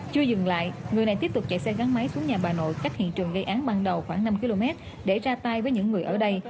chưa dừng lại người này tiếp tục chạy xe gắn máy xuống nhà bà nội cách hiện trường gây án ban đầu khoảng năm km để ra tay với những người ở đây